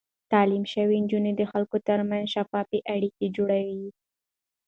تعليم شوې نجونې د خلکو ترمنځ شفاف اړيکې جوړوي.